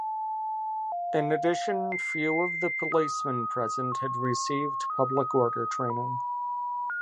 In addition, few of the policemen present had received public order training.